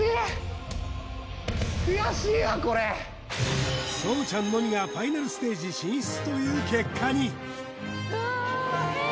これそうちゃんのみがファイナルステージ進出という結果にうわえっ